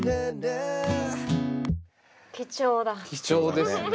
貴重ですね。